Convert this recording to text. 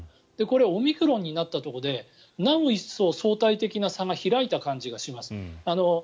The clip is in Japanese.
これ、オミクロンになったことでなお一層相対的な差が開いた感じがします。